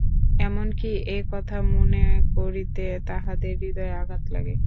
এমন-কি, এ কথা মনে করিতে তাঁহার হৃদয়ে আঘাত লাগে।